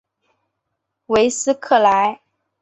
韦斯克莱。